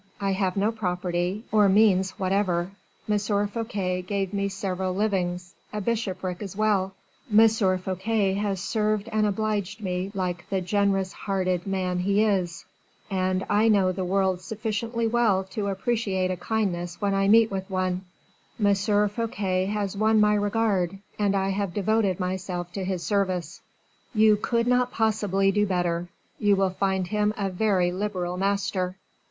I have no property or means whatever. M. Fouquet gave me several livings, a bishopric as well; M. Fouquet has served and obliged me like the generous hearted man he is, and I know the world sufficiently well to appreciate a kindness when I meet with one. M. Fouquet has won my regard, and I have devoted myself to his service." "You could not possibly do better. You will find him a very liberal master."